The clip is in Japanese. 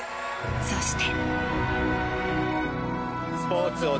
そして。